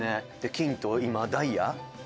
金と、今、ダイヤ？」